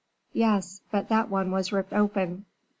"Yes, but that one was ripped open."